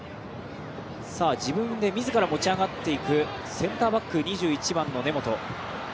自分で自ら持ち上がっていくセンターバック２１番の根本。